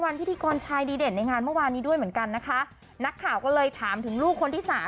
บอกเหลาะเหลาะเหลาะเหลาะอ๋อเหลาะเหลาะ